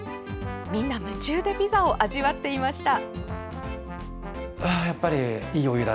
みんな、夢中でピザを味わっていました。